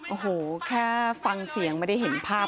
โอ้โหแค่ฟังเสียงไม่ได้เห็นภาพ